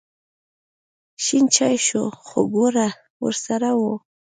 شین چای شو خو ګوړه ورسره وه.